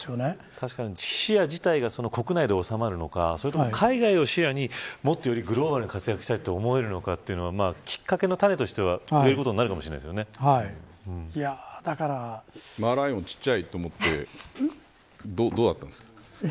確かに、視野自体が国内で収まるのかそれとも海外を視野によりグローバルに活躍したいかと思えるかというのはきっかけの種としてはマーライオンちっちゃいと思ってどうだったんですか。